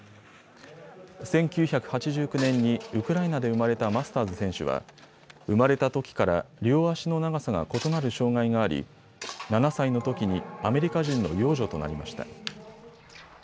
１９８９年にウクライナで生まれたマスターズ選手は生まれたときから両足の長さが異なる障害があり７歳のときにアメリカ人の養女となりました。